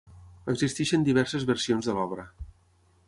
Existeixen diverses versions de l'obra.